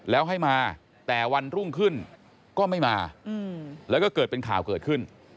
แล้วให้มาแต่วันรุ่งขึ้นก็ไม่มาแล้วก็เกิดเป็นข่าวเกิดขึ้น